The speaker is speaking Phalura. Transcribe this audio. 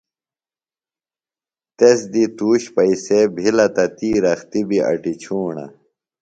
تس دی تُوش پئیسے بِھلہ تہ تی رختیۡ بیۡ اٹیۡ چُھوݨہ۔